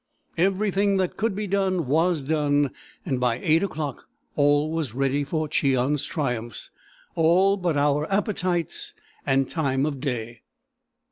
Everything that could be done was done, and by eight o'clock all was ready for Cheon's triumphs, all but our appetites and time of day.